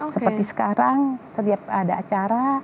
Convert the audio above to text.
seperti sekarang setiap ada acara